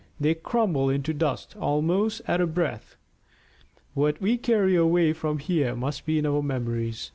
They crumble into dust almost at a breath. What we carry away from here must be in our memories.